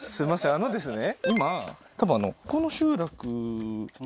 あのですね